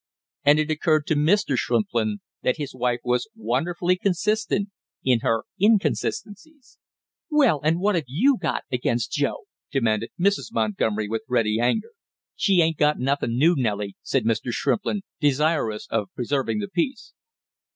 And it occurred to Mr. Shrimplin that his wife was wonderfully consistent in her inconsistencies. "Well, and what have you got against Joe?" demanded Mrs. Montgomery with ready anger. "She ain't got nothing new, Nellie!" said Mr. Shrimplin, desirous of preserving the peace.